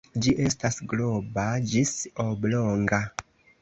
Ĝi estas globa ĝis oblonga.